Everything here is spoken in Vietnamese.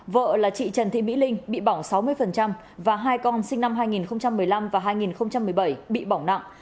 vợ là chị trần thị mỹ linh bị bỏng sáu mươi và hai con sinh năm hai nghìn một mươi năm và hai nghìn một mươi bảy bị bỏng nặng